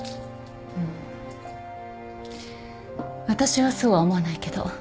私はそうは思わないけど。